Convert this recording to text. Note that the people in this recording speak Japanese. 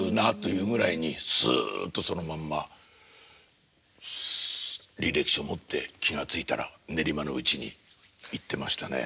いうぐらいにすっとそのまんま履歴書持って気が付いたら練馬のうちに行ってましたね。